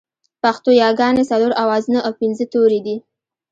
پښتو ياگانې څلور آوازونه او پينځه توري دي